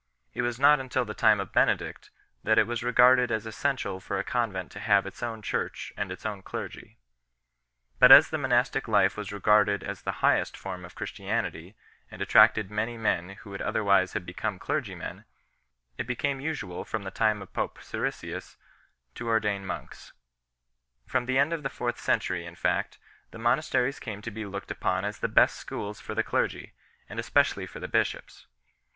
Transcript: It was not until the time of Benedict that it was regarded as essential for a convent to have its own church and its own clergy 4 . But as the monastic life was regarded as the highest form of Christianity and attracted many men who would other wise have become clergymen, it became usual from the time of pope Siricius 5 to ordain monks. From the end of the fourth century, in fact, the monasteries came to be looked upon as the best schools for the clergy, and especially for the bishops.